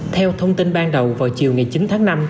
theo thông tin ban đầu vào chiều ngày chín tháng năm